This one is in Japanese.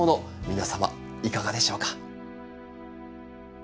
皆様いかがでしょうか。